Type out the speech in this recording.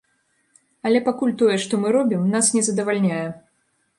Але пакуль тое, што мы робім, нас не задавальняе.